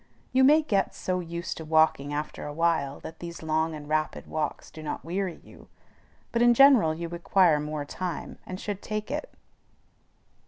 You may get so used to walking after a while that these long and rapid walks will not weary you; but in general you require more time, and should take it.